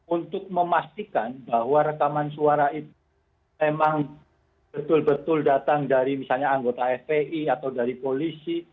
untuk memastikan bahwa rekaman suara itu memang betul betul datang dari misalnya anggota fpi atau dari polisi